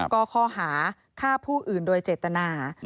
ก็ข้อหาฆ่าผู้อื่นโดยเจตนา